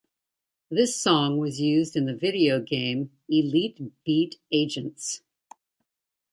This Song was used in the video game Elite Beat Agents.